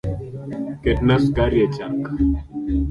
Ketna sukari echak